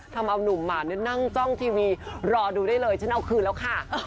ทำเอานุ่มหมานั่งจ้องทีวีรอดูได้เลยฉันเอาคืนแล้วค่ะ